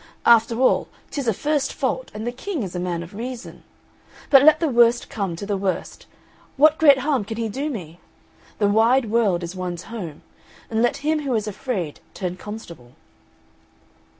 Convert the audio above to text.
After all tis a first fault, and the King is a man of reason; but let the worst come to the worst, what great harm can he do me? The wide world is one's home; and let him who is afraid turn constable."